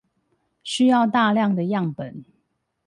需要大量的樣本